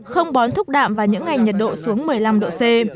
không bón thúc đạm và những ngày nhiệt độ xuống một mươi năm độ c